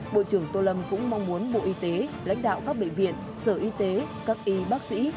bộ trưởng tô lâm cũng mong muốn bộ y tế lãnh đạo các bệnh viện sở y tế các y bác sĩ